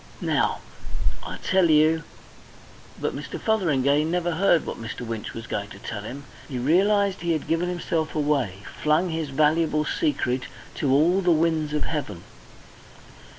Now, I tell you " But Mr. Fotheringay never heard what Mr. Winch was going to tell him. He realised he had given himself away, flung his valuable secret to all the winds of heaven.